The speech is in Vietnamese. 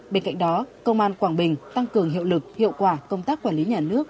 bên cạnh đó công an quảng bình tăng cường hiệu lực hiệu quả công tác quản lý nhà nước